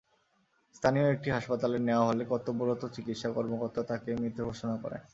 স্থানীয় একটি হাসপাতালে নেওয়া হলে কর্তব্যরত চিকিৎসা কর্মকর্তা তাঁকে মৃত ঘোষণা করেন।